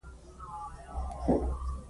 د مهاجرې کورنۍ په انګړ کې روح لامین رنځور دی